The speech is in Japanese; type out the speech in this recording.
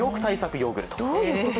ヨーグルト。